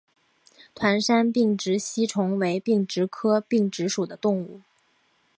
团山并殖吸虫为并殖科并殖属的动物。